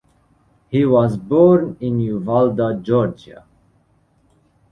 He was born in Uvalda, Georgia.